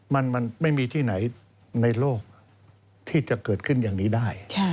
มันไม่มีที่ไหนในโลกที่จะเกิดขึ้นอย่างนี้ได้